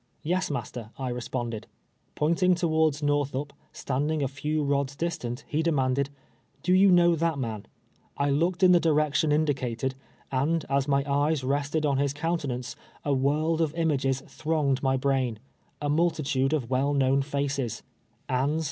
" Yes, master," I responded. Pointing towards Xorthup, standing a few rods dis tant, he demanded —" Do you know that man ?" I looked in the direction indicated, and as my eyes rested on his countenance, a world of images thronged my brain ; a multitude of well known faces — Anne's, 302 TWELVE YEARS A SLAVE.